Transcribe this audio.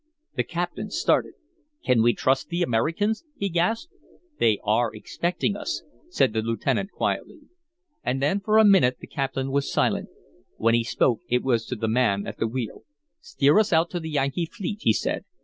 The captain started. "Can we trust the Americans?" he gasped. "They are expecting us," said the lieutenant quietly. And then for a minute the captain was silent; when he spoke it was to the man at the wheel. "Steer us out to the Yankee fleet," he said.